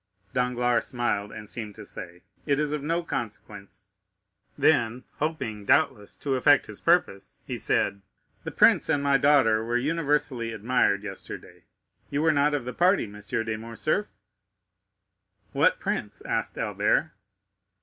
Danglars smiled, and seemed to say, "It is of no consequence." Then, hoping doubtless to effect his purpose, he said,—"The prince and my daughter were universally admired yesterday. You were not of the party, M. de Morcerf?" "What prince?" asked Albert.